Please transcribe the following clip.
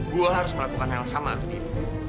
gue harus melakukan hal sama dia